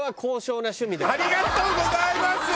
ありがとうございます！